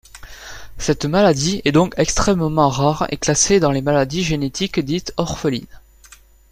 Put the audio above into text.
Cette maladie est donc extrêmement rare et classée dans les maladies génétiques dites orphelines.